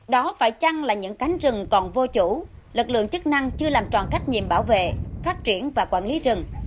đó phải chăng là những cánh rừng còn vô chủ lực lượng chức năng chưa làm tròn trách nhiệm bảo vệ phát triển và quản lý rừng